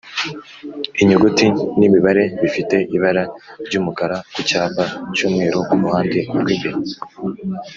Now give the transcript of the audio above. Inyuguti n’imibare bifite ibara ry’umukara ku cyapa cy’umweru ku ruhande rw’imbere